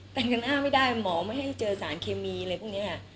แต่งหน้าไม่ได้หมอไม่ให้เจอสารเคมีเลยพวกเนี้ยอ่ะ